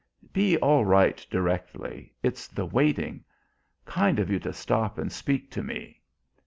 "Be all right directly. It's the waiting. Kind of you to stop and speak to me."